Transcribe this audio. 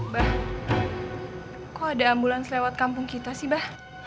bang kok ada ambulans lewat kampung kita sih bang